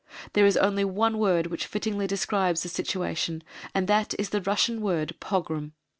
There is only one word which fittingly describes the situation, and that is the Russian word "pogrom."